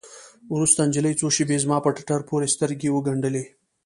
وروسته نجلۍ څو شېبې زما په ټټر پورې سترګې وگنډلې.